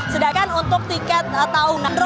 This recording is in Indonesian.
sedangkan untuk tiket tahunan